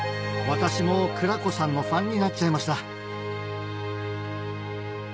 私も久良子さんのファンになっちゃいました